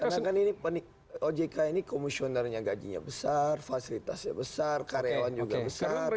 karena kan ini ojk ini komisionernya gajinya besar fasilitasnya besar karyawan juga besar